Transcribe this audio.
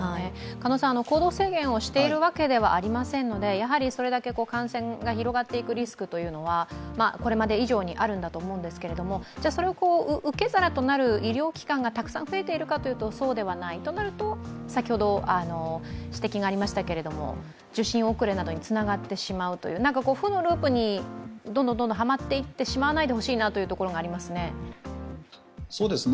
行動制限をしているわけではありませんので、それだけ感染が広がっていくリスクはこれまで以上にあるんだと思うんですけれども、受け皿となる医療機関がたくさん増えているかというと、そうではないとなると、先ほど指摘がありましたけれども、受診遅れなどにつながってしまうというどんどんはまっていってしまわないでほしいなというところがありますね。